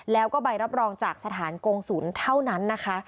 แล้วก็ใบรับรองจากสถานกงศูนย์เท่านั้นนะคะ